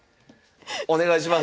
お願いします。